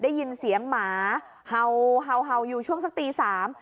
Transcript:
ได้ยินเสียงหมาเห่าเห่าเห่าอยู่ช่วงสักตีสาม